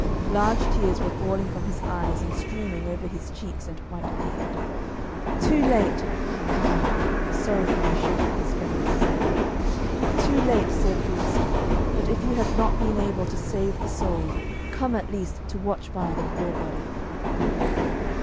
Large tears were falling from his eyes and streaming over his cheeks and white beard. 'Too late!' he cried, sorrowfully shaking his venerable head. 'Too late, sir priest! But if you have not been able to save the soul, come at least to watch by the poor body.